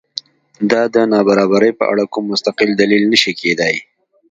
دا د نابرابرۍ په اړه کوم مستقل دلیل نه شي کېدای.